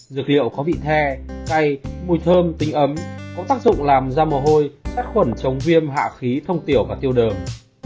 dược hiệu có vị the cay mùi thơm tính ấm có tác dụng làm da mồ hôi sát khuẩn chống viêm hạ khí thông tiểu và tiêu đờm